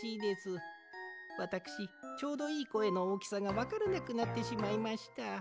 わたくしちょうどいいこえのおおきさがわからなくなってしまいました。